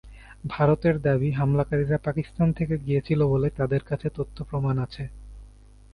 ভারতের দাবি, হামলাকারীরা পাকিস্তান থেকে গিয়েছিল বলে তাদের কাছে তথ্য-প্রমাণ আছে।